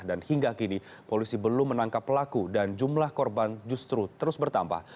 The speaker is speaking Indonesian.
dan hingga kini polisi belum menangkap pelaku dan jumlah korban justru terus bertambah